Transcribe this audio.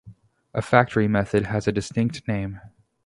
A factory method has a distinct name.